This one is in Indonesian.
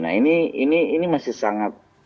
nah ini masih sangat